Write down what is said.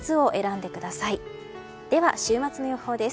では週末の予報です。